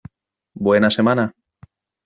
Buena semana.